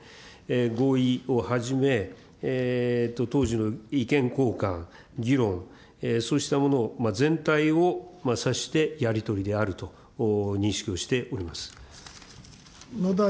合意をはじめ、当時の意見交換、議論、そうしたものを、全体を指してやり取りであると認識をしております。